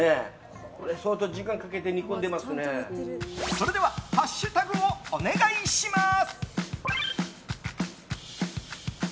それではハッシュタグをお願いします！